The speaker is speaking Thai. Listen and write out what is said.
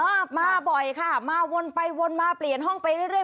มามาบ่อยค่ะมาวนไปวนมาเปลี่ยนห้องไปเรื่อย